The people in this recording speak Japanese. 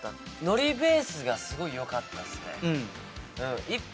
のりベースがすごいよかったっすね。